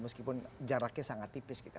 meskipun jaraknya sangat tipis gitu